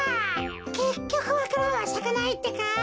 けっきょくわか蘭はさかないってか。